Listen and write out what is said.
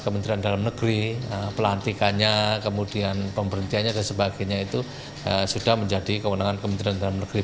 kementerian dalam negeri pelantikannya kemudian pemberhentiannya dan sebagainya itu sudah menjadi kewenangan kementerian dalam negeri